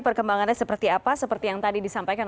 perkembangannya seperti apa seperti yang tadi disampaikan